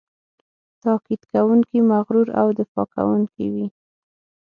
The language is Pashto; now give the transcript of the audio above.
تاکید کوونکی، مغرور او دفاع کوونکی وي.